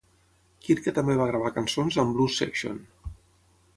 Kirka també va gravar cançons amb Blues Section.